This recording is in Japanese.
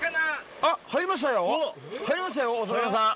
入りましたよお魚さん。